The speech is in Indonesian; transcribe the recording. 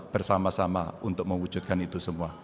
bersama sama untuk mewujudkan itu semua